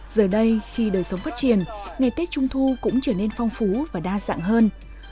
giờ đây khi đời sống phát triển ngày tết trung thu cũng trở nên phong phú và đa dạng hơn